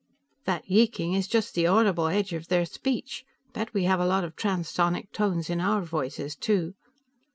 _" "That yeeking is just the audible edge of their speech; bet we have a lot of transsonic tones in our voices, too."